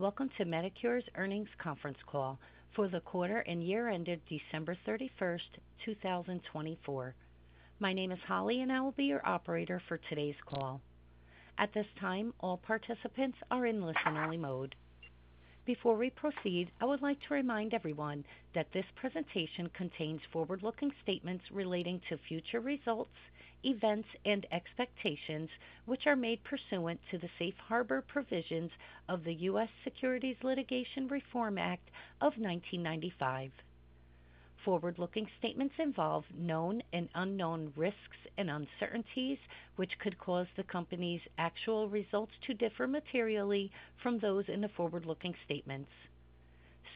Welcome to Medicure's earnings conference call for the quarter and year-end of December 31, 2024. My name is Holly, and I will be your operator for today's call. At this time, all participants are in listen-only mode. Before we proceed, I would like to remind everyone that this presentation contains forward-looking statements relating to future results, events, and expectations, which are made pursuant to the Safe Harbor provisions of the U.S. Securities Litigation Reform Act of 1995. Forward-looking statements involve known and unknown risks and uncertainties, which could cause the company's actual results to differ materially from those in the forward-looking statements.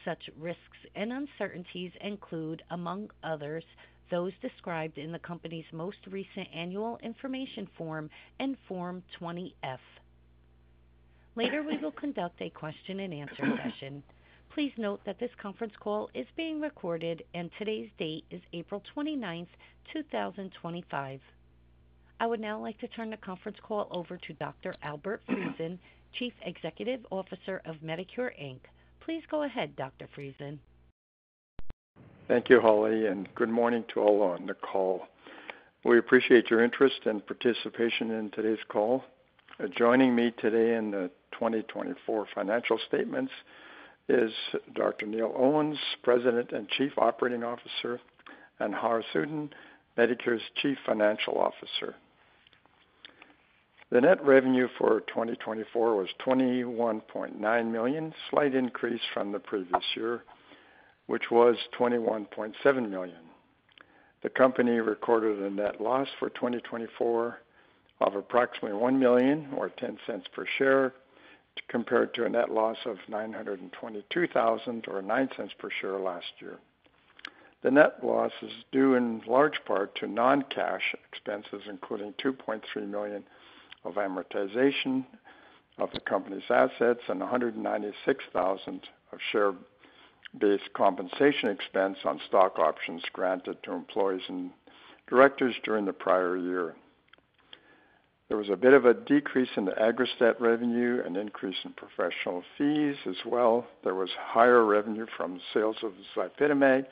Such risks and uncertainties include, among others, those described in the company's most recent annual information form and Form 20-F. Later, we will conduct a question-and-answer session. Please note that this conference call is being recorded, and today's date is April 29, 2025. I would now like to turn the conference call over to Dr. Albert Friesen, Chief Executive Officer of Medicure Inc. Please go ahead, Dr. Friesen. Thank you, Holly, and good morning to all on the call. We appreciate your interest and participation in today's call. Joining me today in the 2024 financial statements is Dr. Neil Owens, President and Chief Operating Officer, and Haaris Uddin, Medicure's Chief Financial Officer. The net revenue for 2024 was $21.9 million, a slight increase from the previous year, which was $21.7 million. The company recorded a net loss for 2024 of approximately $1 million or $0.10 per share, compared to a net loss of $922,000 or $0.09 per share last year. The net loss is due in large part to non-cash expenses, including $2.3 million of amortization of the company's assets and $196,000 of share-based compensation expense on stock options granted to employees and directors during the prior year. There was a bit of a decrease in the AGGRASTAT revenue, an increase in professional fees as well. There was higher revenue from sales of ZYPITAMAG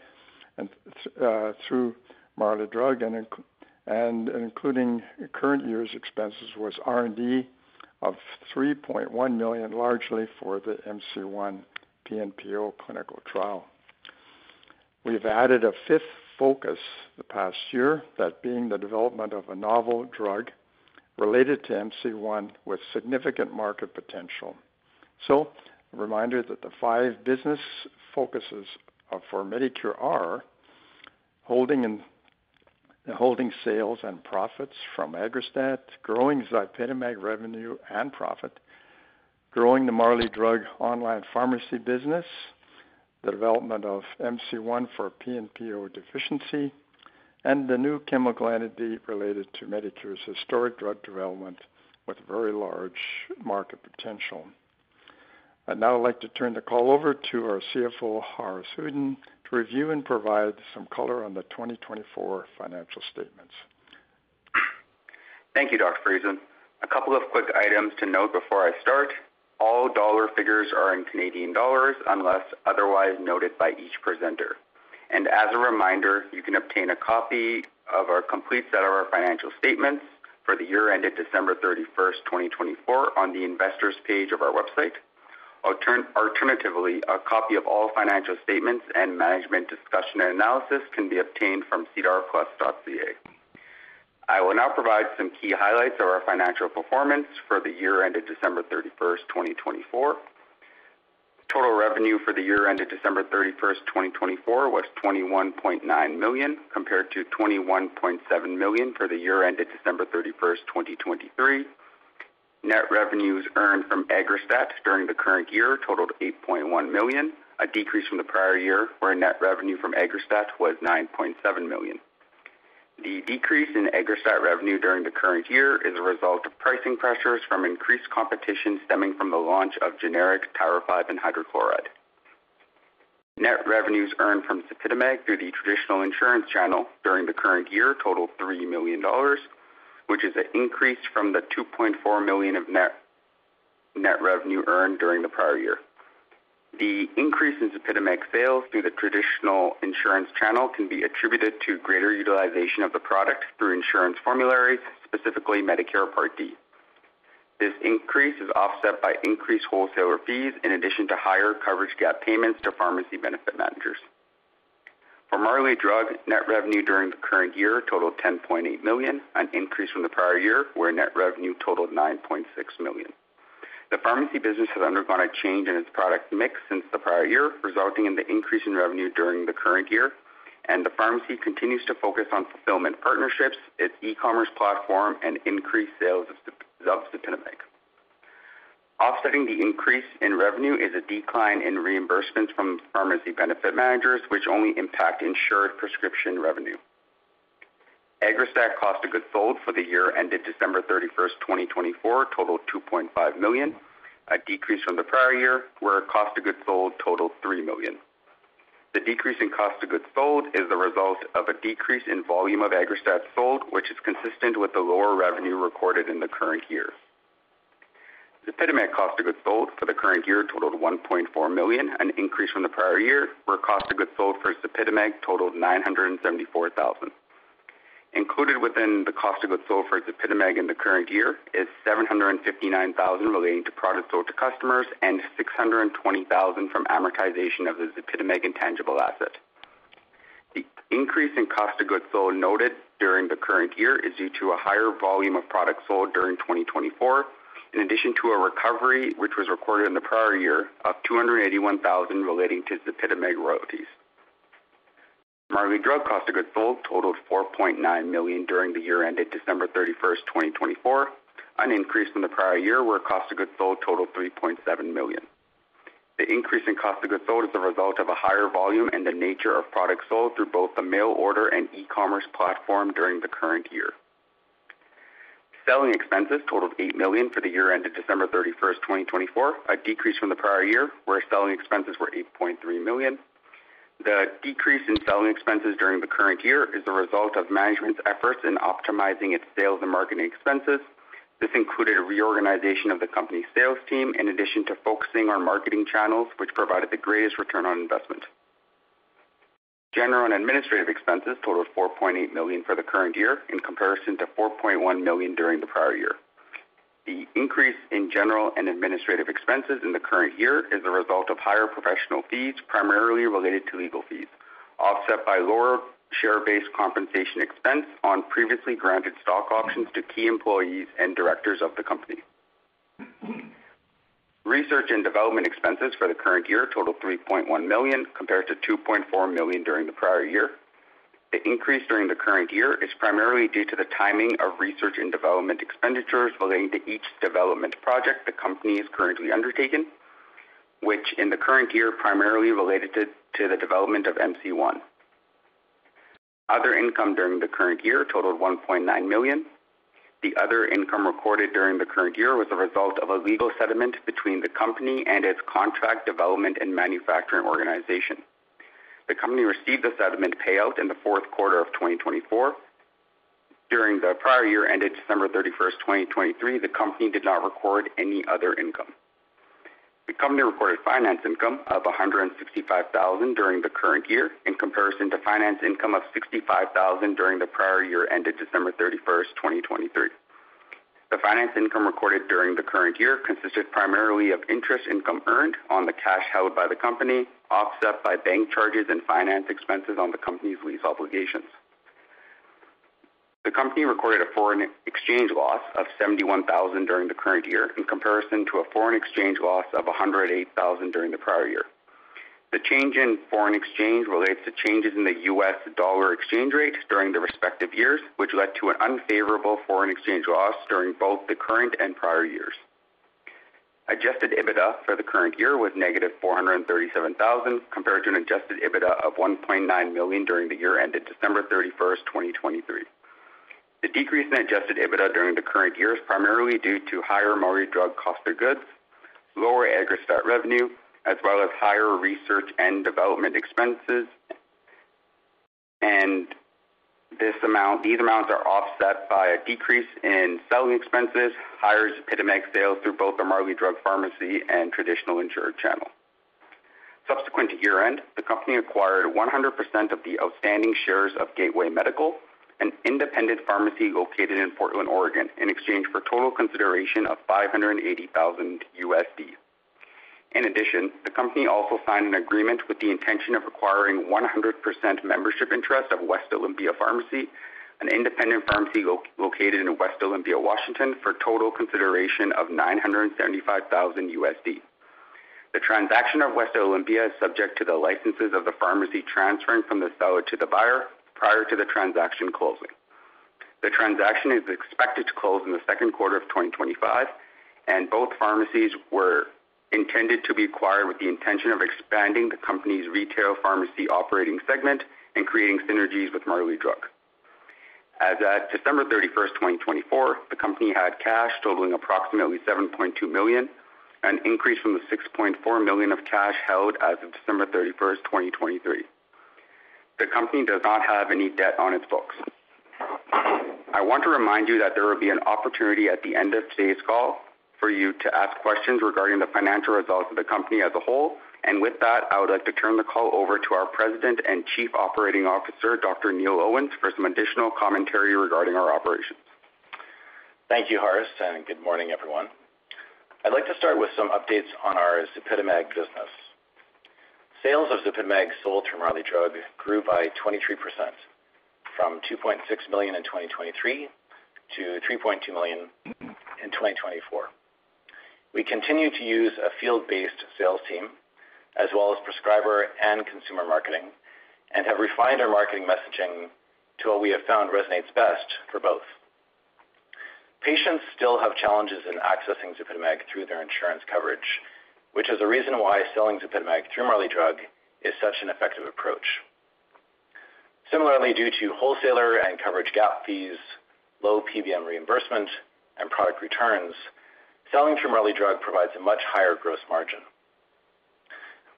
through Marley Drug, and including current year's expenses was R&D of $3.1 million, largely for the MC1 PNPO clinical trial. We've added a fifth focus the past year, that being the development of a novel drug related to MC1 with significant market potential. A reminder that the five business focuses for Medicure are holding sales and profits from AGGRASTAT, growing ZYPITAMAG revenue and profit, growing the Marley Drug online pharmacy business, the development of MC1 for PNPO deficiency, and the new chemical entity related to Medicure's historic drug development with very large market potential. I'd now like to turn the call over to our CFO, Haaris Uddin, to review and provide some color on the 2024 financial statements. Thank you, Dr. Friesen. A couple of quick items to note before I start. All dollar figures are in Canadian dollars unless otherwise noted by each presenter. As a reminder, you can obtain a copy of our complete set of our financial statements for the year-end of December 31, 2024, on the investors' page of our website. Alternatively, a copy of all financial statements and management discussion and analysis can be obtained from cdrplus.ca. I will now provide some key highlights of our financial performance for the year-end of December 31, 2024. Total revenue for the year-end of December 31, 2024, was 21.9 million, compared to 21.7 million for the year-end of December 31, 2023. Net revenues earned from AGGRASTAT during the current year totaled 8.1 million, a decrease from the prior year where net revenue from AGGRASTAT was 9.7 million. The decrease in AGGRASTAT revenue during the current year is a result of pricing pressures from increased competition stemming from the launch of generic tirofiban and hydrochloride. Net revenues earned from ZYPITAMAG through the traditional insurance channel during the current year totaled $3 million, which is an increase from the $2.4 million of net revenue earned during the prior year. The increase in ZYPITAMAG sales through the traditional insurance channel can be attributed to greater utilization of the product through insurance formularies, specifically Medicare Part D. This increase is offset by increased wholesaler fees in addition to higher coverage gap payments to pharmacy benefit managers. For Marley Drug, net revenue during the current year totaled $10.8 million, an increase from the prior year where net revenue totaled $9.6 million. The pharmacy business has undergone a change in its product mix since the prior year, resulting in the increase in revenue during the current year, and the pharmacy continues to focus on fulfillment partnerships, its e-commerce platform, and increased sales of ZYPITAMAG. Offsetting the increase in revenue is a decline in reimbursements from pharmacy benefit managers, which only impact insured prescription revenue. AGGRASTAT cost of goods sold for the year-end of December 31, 2024, totaled $2.5 million, a decrease from the prior year where cost of goods sold totaled $3 million. The decrease in cost of goods sold is the result of a decrease in volume of AGGRASTAT sold, which is consistent with the lower revenue recorded in the current year. ZYPITAMAG cost of goods sold for the current year totaled $1.4 million, an increase from the prior year where cost of goods sold for ZYPITAMAG totaled $974,000. Included within the cost of goods sold for ZYPITAMAG in the current year is $759,000 relating to products sold to customers and $620,000 from amortization of the ZYPITAMAG intangible asset. The increase in cost of goods sold noted during the current year is due to a higher volume of products sold during 2024, in addition to a recovery which was recorded in the prior year of $281,000 relating to ZYPITAMAG royalties. Marley Drug cost of goods sold totaled $4.9 million during the year-end of December 31, 2024, an increase from the prior year where cost of goods sold totaled $3.7 million. The increase in cost of goods sold is the result of a higher volume and the nature of products sold through both the mail order and e-commerce platform during the current year. Selling expenses totaled $8 million for the year-end of December 31, 2024, a decrease from the prior year where selling expenses were $8.3 million. The decrease in selling expenses during the current year is the result of management's efforts in optimizing its sales and marketing expenses. This included a reorganization of the company's sales team, in addition to focusing on marketing channels, which provided the greatest return on investment. General and administrative expenses totaled $4.8 million for the current year, in comparison to $4.1 million during the prior year. The increase in general and administrative expenses in the current year is the result of higher professional fees, primarily related to legal fees, offset by lower share-based compensation expense on previously granted stock options to key employees and directors of the company. Research and development expenses for the current year totaled $3.1 million, compared to $2.4 million during the prior year. The increase during the current year is primarily due to the timing of research and development expenditures relating to each development project the company is currently undertaken, which in the current year primarily related to the development of MC1. Other income during the current year totaled $1.9 million. The other income recorded during the current year was the result of a legal settlement between the company and its contract development and manufacturing organization. The company received a settlement payout in the fourth quarter of 2024. During the prior year-end of December 31, 2023, the company did not record any other income. The company recorded finance income of $165,000 during the current year, in comparison to finance income of $65,000 during the prior year-end of December 31, 2023. The finance income recorded during the current year consisted primarily of interest income earned on the cash held by the company, offset by bank charges and finance expenses on the company's lease obligations. The company recorded a foreign exchange loss of $71,000 during the current year, in comparison to a foreign exchange loss of $108,000 during the prior year. The change in foreign exchange relates to changes in the U.S. dollar exchange rate during the respective years, which led to an unfavorable foreign exchange loss during both the current and prior years. Adjusted EBITDA for the current year was negative $437,000, compared to an adjusted EBITDA of $1.9 million during the year-end of December 31, 2023. The decrease in adjusted EBITDA during the current year is primarily due to higher Marley Drug cost of goods, lower AGGRASTAT revenue, as well as higher research and development expenses. These amounts are offset by a decrease in selling expenses, higher ZYPITAMAG sales through both the Marley Drug pharmacy and traditional insured channel. Subsequent to year-end, the company acquired 100% of the outstanding shares of Gateway Medical Pharmacy, an independent pharmacy located in Portland, Oregon, in exchange for total consideration of $580,000. In addition, the company also signed an agreement with the intention of acquiring 100% membership interest of West Olympia Pharmacy, an independent pharmacy located in West Olympia, Washington, for total consideration of $975,000. The transaction of West Olympia Pharmacy is subject to the licenses of the pharmacy transferring from the seller to the buyer prior to the transaction closing. The transaction is expected to close in the second quarter of 2025, and both pharmacies were intended to be acquired with the intention of expanding the company's retail pharmacy operating segment and creating synergies with Marley Drug. As of December 31, 2024, the company had cash totaling approximately 7.2 million, an increase from the 6.4 million of cash held as of December 31, 2023. The company does not have any debt on its books. I want to remind you that there will be an opportunity at the end of today's call for you to ask questions regarding the financial results of the company as a whole. With that, I would like to turn the call over to our President and Chief Operating Officer, Dr. Neil Owens, for some additional commentary regarding our operations. Thank you, Haaris, and good morning, everyone. I'd like to start with some updates on our ZYPITAMAG business. Sales of ZYPITAMAG sold through Marley Drug grew by 23% from 2.6 million in 2023 to 3.2 million in 2024. We continue to use a field-based sales team as well as prescriber and consumer marketing and have refined our marketing messaging to what we have found resonates best for both. Patients still have challenges in accessing ZYPITAMAG through their insurance coverage, which is a reason why selling ZYPITAMAG through Marley Drug is such an effective approach. Similarly, due to wholesaler and coverage gap fees, low PBM reimbursement, and product returns, selling through Marley Drug provides a much higher gross margin.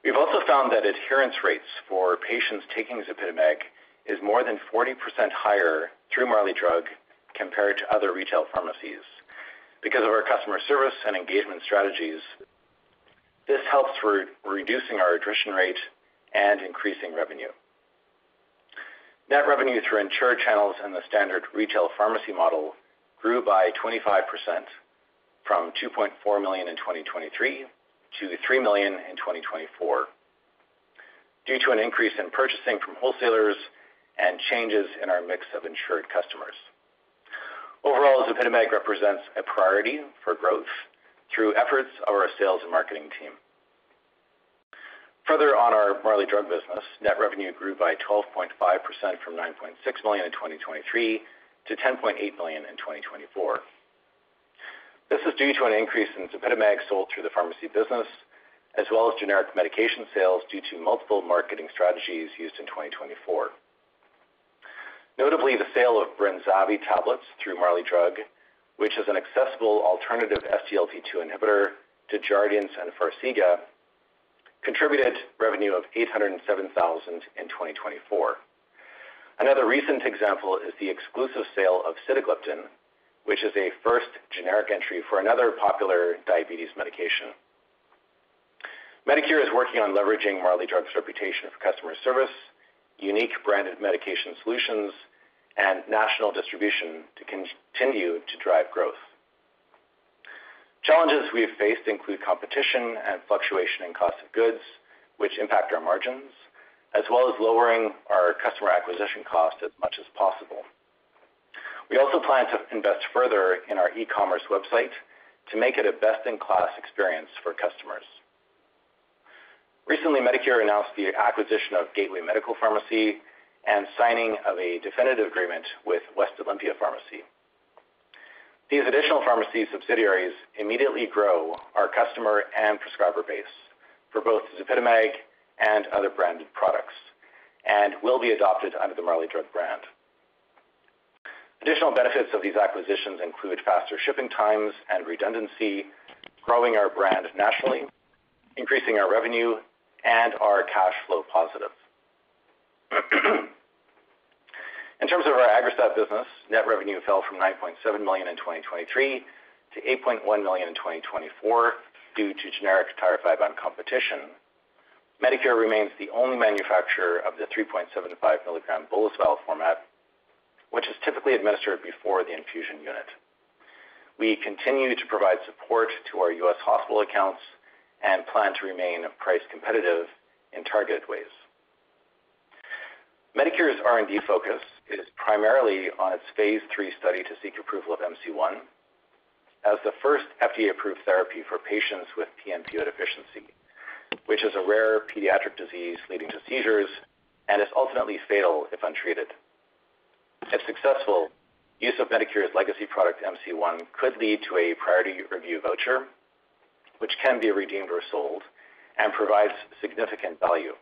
We've also found that adherence rates for patients taking ZYPITAMAG is more than 40% higher through Marley Drug compared to other retail pharmacies because of our customer service and engagement strategies. This helps reduce our attrition rate and increase revenue. Net revenue through insured channels and the standard retail pharmacy model grew by 25% from $2.4 million in 2023 to $3 million in 2024 due to an increase in purchasing from wholesalers and changes in our mix of insured customers. Overall, ZYPITAMAG represents a priority for growth through efforts of our sales and marketing team. Further on our Marley Drug business, net revenue grew by 12.5% from $9.6 million in 2023 to $10.8 million in 2024. This is due to an increase in ZYPITAMAG sold through the pharmacy business, as well as generic medication sales due to multiple marketing strategies used in 2024. Notably, the sale of Brinzavi tablets through Marley Drug, which is an accessible alternative SGLT2 inhibitor to Jardiance and Farxiga, contributed revenue of $807,000 in 2024. Another recent example is the exclusive sale of Citagliptin, which is a first generic entry for another popular diabetes medication. Medicure is working on leveraging Marley Drug's reputation for customer service, unique branded medication solutions, and national distribution to continue to drive growth. Challenges we've faced include competition and fluctuation in cost of goods, which impact our margins, as well as lowering our customer acquisition cost as much as possible. We also plan to invest further in our e-commerce website to make it a best-in-class experience for customers. Recently, Medicure announced the acquisition of Gateway Medical Pharmacy and signing of a definitive agreement with West Olympia Pharmacy. These additional pharmacy subsidiaries immediately grow our customer and prescriber base for both ZYPITAMAG and other branded products and will be adopted under the Marley Drug brand. Additional benefits of these acquisitions include faster shipping times and redundancy, growing our brand nationally, increasing our revenue, and our cash flow positive. In terms of our AGGRASTAT business, net revenue fell from $9.7 million in 2023 to $8.1 million in 2024 due to generic tirofiban competition. Medicure remains the only manufacturer of the 3.75 milligram bolus vial format, which is typically administered before the infusion unit. We continue to provide support to our U.S. hospital accounts and plan to remain price competitive in targeted ways. Medicure's R&D focus is primarily on its phase 3 study to seek approval of MC1 as the first FDA-approved therapy for patients with PNPO deficiency, which is a rare pediatric disease leading to seizures and is ultimately fatal if untreated. If successful, use of Medicure's legacy product MC1 could lead to a priority review voucher, which can be redeemed or sold and provides significant value.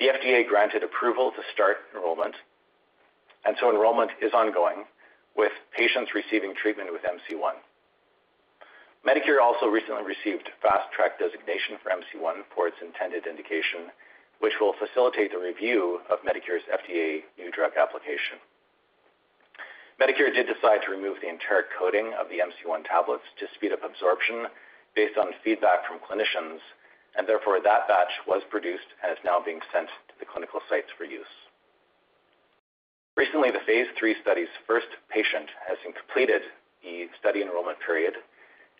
The FDA granted approval to start enrollment, and so enrollment is ongoing with patients receiving treatment with MC1. Medicure also recently received fast-track designation for MC1 for its intended indication, which will facilitate the review of Medicure's FDA new drug application. Medicure did decide to remove the enteric coating of the MC1 tablets to speed up absorption based on feedback from clinicians, and therefore that batch was produced and is now being sent to the clinical sites for use. Recently, the phase 3 study's first patient has completed the study enrollment period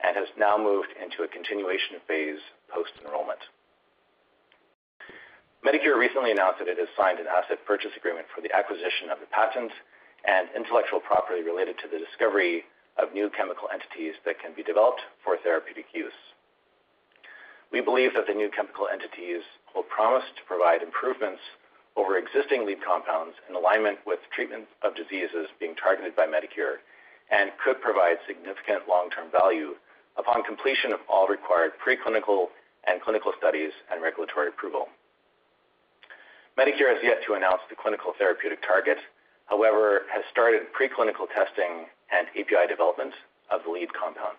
and has now moved into a continuation phase post-enrollment. Medicure recently announced that it has signed an asset purchase agreement for the acquisition of the patent and intellectual property related to the discovery of new chemical entities that can be developed for therapeutic use. We believe that the new chemical entities will promise to provide improvements over existing lead compounds in alignment with treatment of diseases being targeted by Medicure and could provide significant long-term value upon completion of all required preclinical and clinical studies and regulatory approval. Medicure has yet to announce the clinical therapeutic target, however, has started preclinical testing and API development of the lead compound.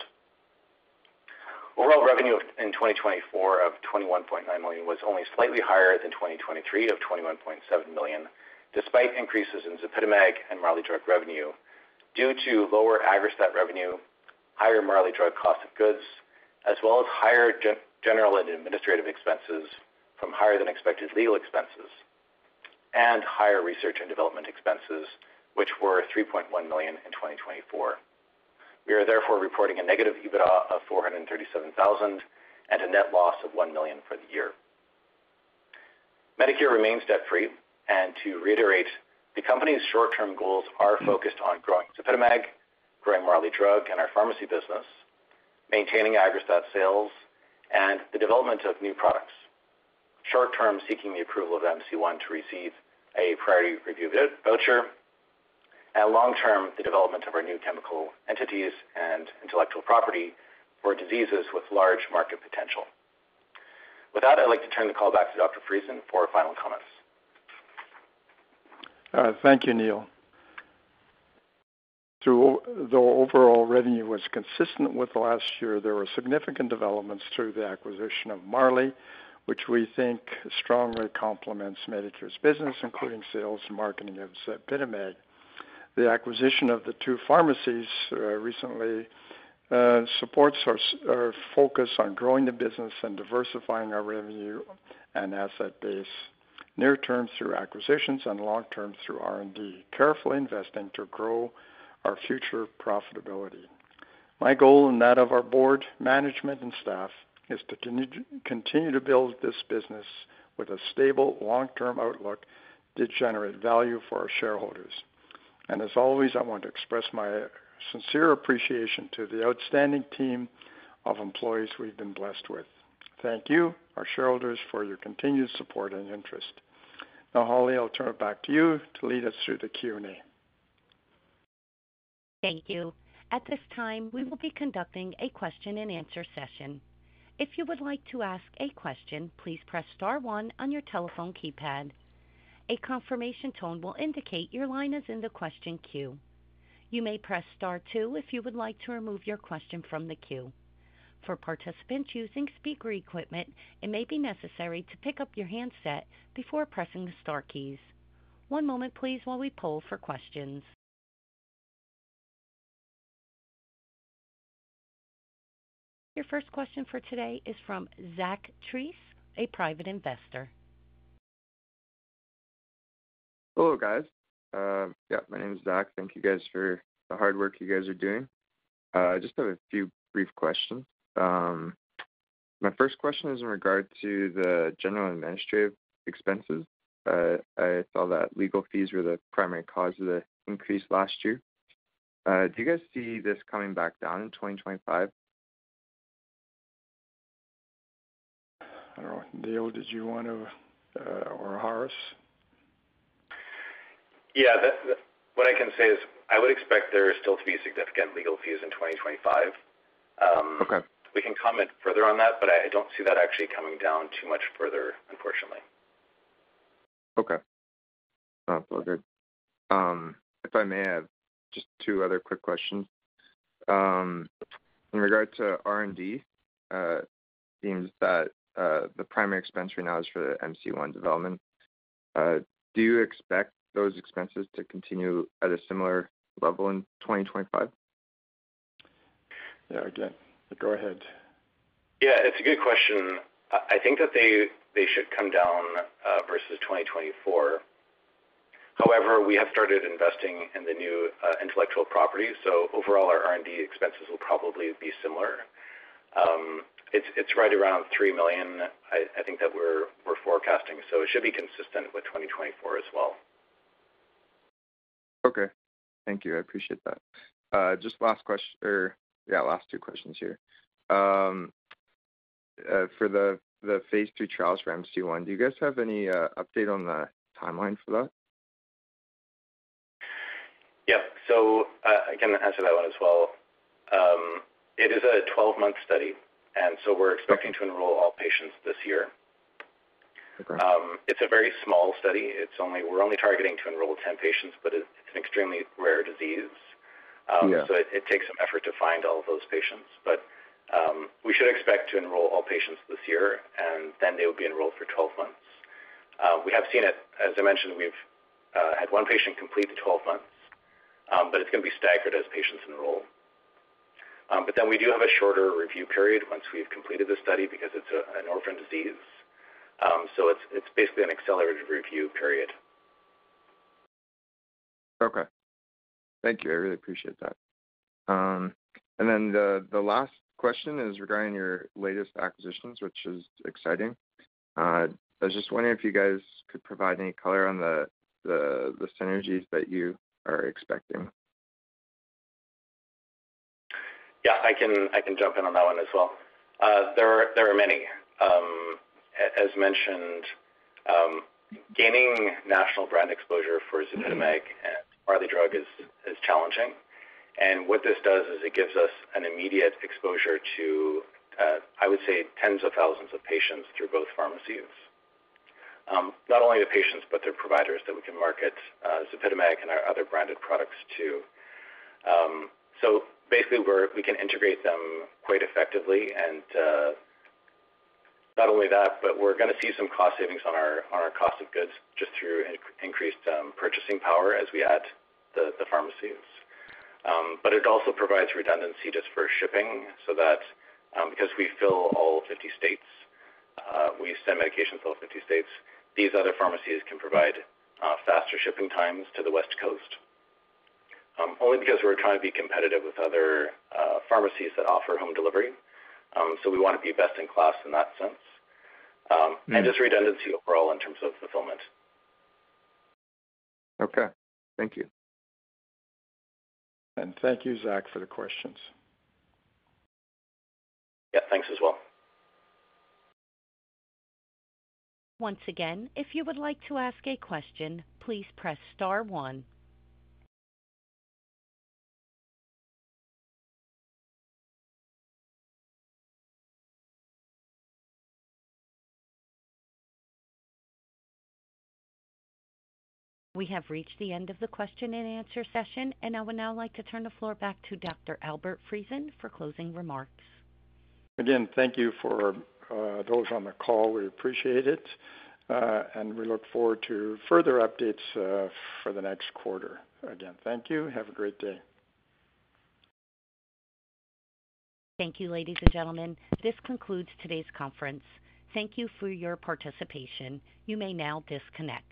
Overall revenue in 2024 of $21.9 million was only slightly higher than 2023 of $21.7 million, despite increases in ZYPITAMAG and Marley Drug revenue due to lower AGGRASTAT revenue, higher Marley Drug cost of goods, as well as higher general and administrative expenses from higher-than-expected legal expenses and higher research and development expenses, which were $3.1 million in 2024. We are therefore reporting a negative EBITDA of $437,000 and a net loss of $1 million for the year. Medicure remains debt-free, and to reiterate, the company's short-term goals are focused on growing ZYPITAMAG, growing Marley Drug and our pharmacy business, maintaining AGGRASTAT sales, and the development of new products. Short-term, seeking the approval of MC1 to receive a priority review voucher, and long-term, the development of our new chemical entities and intellectual property for diseases with large market potential. With that, I'd like to turn the call back to Dr. Friesen for final comments. Thank you, Neil. The overall revenue was consistent with last year. There were significant developments through the acquisition of Marley, which we think strongly complements Medicure's business, including sales and marketing of ZYPITAMAG. The acquisition of the two pharmacies recently supports our focus on growing the business and diversifying our revenue and asset base near-term through acquisitions and long-term through R&D, carefully investing to grow our future profitability. My goal and that of our board, management, and staff is to continue to build this business with a stable long-term outlook to generate value for our shareholders. I want to express my sincere appreciation to the outstanding team of employees we've been blessed with. Thank you, our shareholders, for your continued support and interest. Now, Holly, I'll turn it back to you to lead us through the Q&A. Thank you. At this time, we will be conducting a question-and-answer session. If you would like to ask a question, please press star one on your telephone keypad. A confirmation tone will indicate your line is in the question queue. You may press star two if you would like to remove your question from the queue. For participants using speaker equipment, it may be necessary to pick up your handset before pressing the star keys. One moment, please, while we poll for questions. Your first question for today is from Zach Treese, a private investor. Hello, guys. Yeah, my name is Zach. Thank you, guys, for the hard work you guys are doing. I just have a few brief questions. My first question is in regard to the general administrative expenses. I saw that legal fees were the primary cause of the increase last year. Do you guys see this coming back down in 2025? I don't know. Neil, did you want to, or Haaris? Yeah. What I can say is I would expect there are still to be significant legal fees in 2025. We can comment further on that, but I don't see that actually coming down too much further, unfortunately. Okay. Sounds all good. If I may, I have just two other quick questions. In regard to R&D, it seems that the primary expense right now is for the MC1 development. Do you expect those expenses to continue at a similar level in 2025? Yeah, again, go ahead. Yeah, it's a good question. I think that they should come down versus 2024. However, we have started investing in the new intellectual property, so overall, our R&D expenses will probably be similar. It's right around $3 million, I think, that we're forecasting, so it should be consistent with 2024 as well. Okay. Thank you. I appreciate that. Just last question or, yeah, last two questions here. For the phase three trials for MC1, do you guys have any update on the timeline for that? Yep. I can answer that one as well. It is a 12-month study, and we're expecting to enroll all patients this year. It's a very small study. We're only targeting to enroll 10 patients, but it's an extremely rare disease, so it takes some effort to find all of those patients. We should expect to enroll all patients this year, and then they will be enrolled for 12 months. We have seen it. As I mentioned, we've had one patient complete the 12 months, and it's going to be staggered as patients enroll. We do have a shorter review period once we've completed the study because it's an orphan disease. It's basically an accelerated review period. Okay. Thank you. I really appreciate that. The last question is regarding your latest acquisitions, which is exciting. I was just wondering if you guys could provide any color on the synergies that you are expecting. Yeah, I can jump in on that one as well. There are many. As mentioned, gaining national brand exposure for ZYPITAMAG and Marley Drug is challenging. What this does is it gives us immediate exposure to, I would say, tens of thousands of patients through both pharmacies. Not only the patients, but their providers that we can market ZYPITAMAG and our other branded products to. Basically, we can integrate them quite effectively. Not only that, but we're going to see some cost savings on our cost of goods just through increased purchasing power as we add the pharmacies. It also provides redundancy just for shipping so that because we fill all 50 states, we send medications to all 50 states, these other pharmacies can provide faster shipping times to the West Coast. We are trying to be competitive with other pharmacies that offer home delivery. We want to be best in class in that sense. Just redundancy overall in terms of fulfillment. Okay. Thank you. Thank you, Zach, for the questions. Yeah, thanks as well. Once again, if you would like to ask a question, please press star one. We have reached the end of the question-and-answer session, and I would now like to turn the floor back to Dr. Albert Friesen for closing remarks. Again, thank you for those on the call. We appreciate it, and we look forward to further updates for the next quarter. Again, thank you. Have a great day. Thank you, ladies and gentlemen. This concludes today's conference. Thank you for your participation. You may now disconnect.